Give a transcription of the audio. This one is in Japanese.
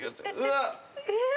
えっ。